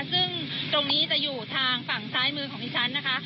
ซึ่งตรงนี้จะอยู่ทางฝั่งซ้ายมือของดิฉันนะคะ